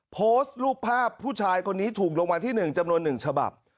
โพสต์รูปภาพผู้ชายคนนี้ถูกรางวัลที่๑จำนวน๑ฉบับ